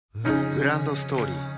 グランドストーリー